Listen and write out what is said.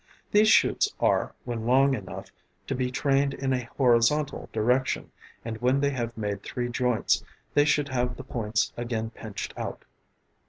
These shoots are, when long enough, to be trained in a horizontal direction; and when they have made three joints they should have the points again pinched out.